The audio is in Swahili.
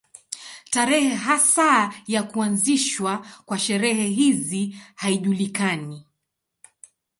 Tarehe hasa ya kuanzishwa kwa sherehe hizi haijulikani.